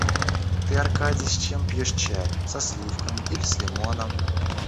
Ты, Аркадий, с чем пьешь чай, со сливками или с лимоном?